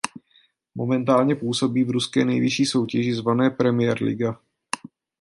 Momentálně působí v ruské nejvyšší soutěži zvané Premier Liga.